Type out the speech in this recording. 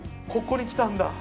ここに来たんだ。